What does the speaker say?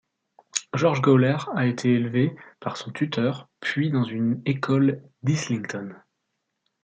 George Gawler a été élevé par son tuteur, puis dans une école d'Islington.